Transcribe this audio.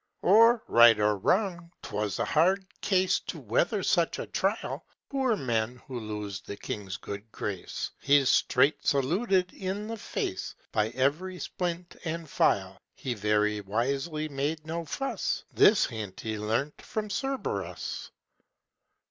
Or right or wrong, 'twas a hard case To weather such a trial; (Poor men, who lose a king's good grace!) He's straight saluted in the face By every splint and phial. He very wisely made no fuss; This hint he learnt of Cerberus.